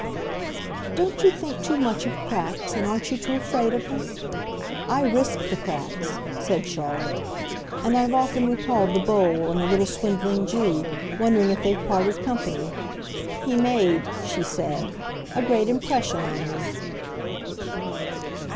"Don't you think too much of 'cracks,' and aren't you too afraid of them? I risk the cracks," said Charlotte, "and I've often recalled the bowl and the little swindling Jew, wondering if they've parted company. He made," she said, "a great impression on me."